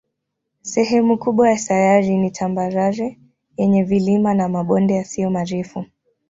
Sehemu kubwa ya sayari ni tambarare yenye vilima na mabonde yasiyo marefu.